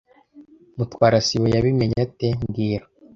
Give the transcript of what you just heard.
Mutwara sibo yabimenye ate mbwira